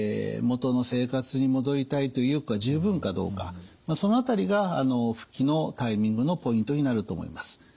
元の生活に戻りたいと意欲が十分かどうかその辺りが復帰のタイミングのポイントになると思います。